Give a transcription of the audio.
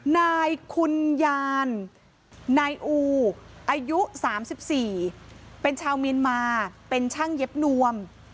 นายคุณยานนายอูออายุสามสิบสี่เป็นชาวมีนมาทเป็นช่างเย็บนวม